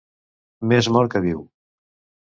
Més mort que viu.